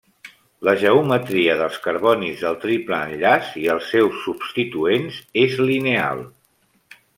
La geometria dels carbonis del triple enllaç i els seus substituents és lineal.